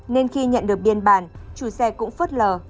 nên khi nhận được biên bản chủ xe cũng phớt lờ